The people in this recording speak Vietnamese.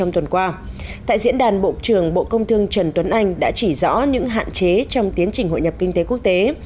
trong diễn đàn bộ trưởng bộ công thương trần tuấn anh đã chỉ rõ những hạn chế trong tiến trình hội nhập kinh tế quốc tế